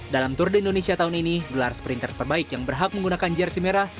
dalam tour de indonesia tahun ini gelar sprinter terbaik yang berhak menggunakan jersi merah